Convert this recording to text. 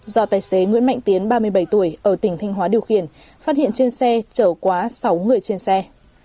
do tài xế nguyễn mạnh tiến ba mươi bảy tuổi ở tỉnh thanh hóa điều khiển phát hiện trên xe chở quá sáu người trên xe